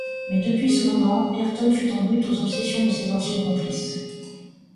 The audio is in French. Mais, depuis ce moment, Ayrton fut en butte aux obsessions de ses anciens complices.